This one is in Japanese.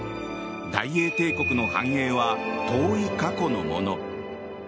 大英帝国の繁栄は遠い過去のもの。